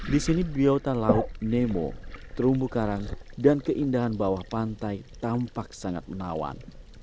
di sini biotan laut nemo terumbu karang dan keindahan bawah pantai tampak sangat menawan